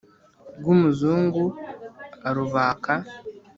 rw'umuzungu arubaka.